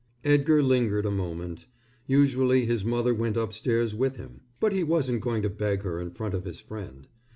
Edgar lingered a moment. Usually his mother went upstairs with him. But he wasn't going to beg her in front of his friend.